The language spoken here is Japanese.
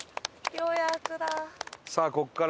ようやくだ。